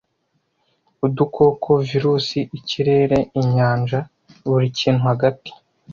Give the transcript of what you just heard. udukoko, virusi, ikirere, inyanja, buri kintu hagati.